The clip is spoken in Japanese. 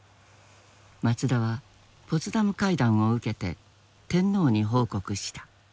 松田はポツダム会談を受けて天皇に報告した。